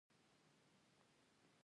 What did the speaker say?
ماته مالي راپور چمتو کړه